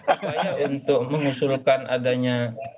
apanya untuk mengusulkan adanya